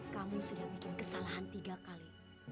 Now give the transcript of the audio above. kamu sudah bikin kesalahan tiga kali